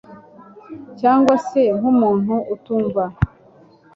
cyangwa se nk’umuntu utumva